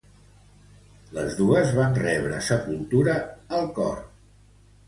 Les dos van rebre sepultura al cor.